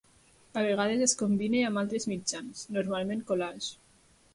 A vegades es combina amb altres mitjans, normalment collage.